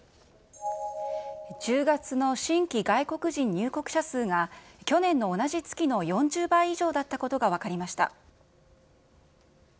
１０月の新規外国人入国者数が、去年の同じ月の４０倍以上だったことが分かりました。